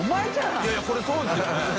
いやいやこれそうですよね？